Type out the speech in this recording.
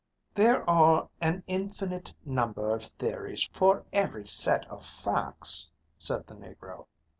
"There are an infinite number of theories for every set of facts," said the Negro.